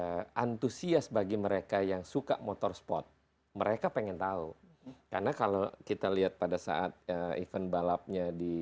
negara negara indonesia ini pertama kali jadi antusias bagi mereka yang suka motorsport mereka pengen tahu karena kalau kita lihat pada saat event balapnya di